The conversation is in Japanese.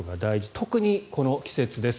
特に、この季節です。